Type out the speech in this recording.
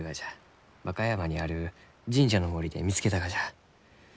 和歌山にある神社の森で見つけたがじゃ。